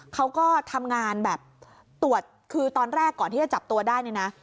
เขาก็ทำงานแบบตรวจคือตอนแรกก่อนที่จะจับตัวได้เนี่ยนะ